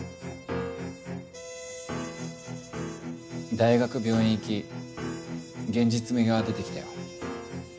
大学病院行き現実味が出てきたよ。